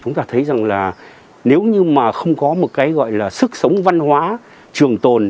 chúng ta thấy rằng là nếu như mà không có một cái gọi là sức sống văn hóa trường tồn